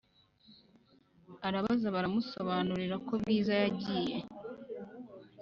arabaza baramusobanurira ko bwiza yagiye